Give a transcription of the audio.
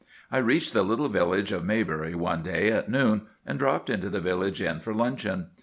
I reached the little village of Maybury one day at noon, and dropped into the village inn for luncheon.